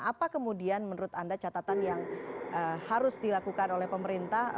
apa kemudian menurut anda catatan yang harus dilakukan oleh pemerintah